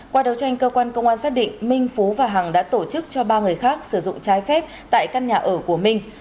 qua đấu tranh cơ quan công an xác định minh phú và hằng đã tổ chức cho ba người khác sử dụng trái phép tại căn nhà ở của minh